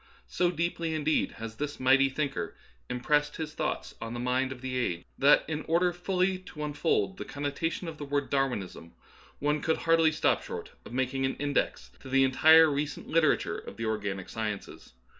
So deeply, indeed, has this mighty thinker impressed his thoughts on the mind of the age that in order fully to unfold the connotations of the word " Darwinism " one could hardly stop short of making an index to the entire recent literature of the organic sciences.